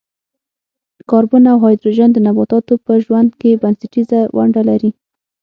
کاربن او هایدروجن د نباتاتو په ژوند کې بنسټیزه ونډه لري.